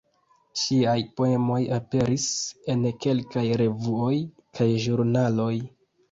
Ŝiaj poemoj aperis en kelkaj revuoj kaj ĵurnaloj.